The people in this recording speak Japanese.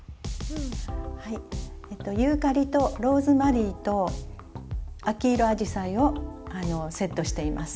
はいユーカリとローズマリーと秋色あじさいをセットしています。